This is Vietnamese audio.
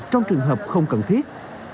trong trường hợp không cần thiết